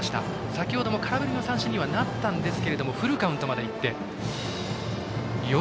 先程も空振り三振にはなったんですけどフルカウントまでいきました。